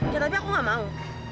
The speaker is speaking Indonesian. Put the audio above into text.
ya tapi aku gak mau